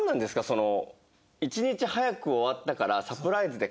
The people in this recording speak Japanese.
その。